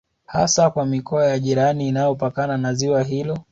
Hasa kwa mikoa ya jirani inayopakana na ziwa hilo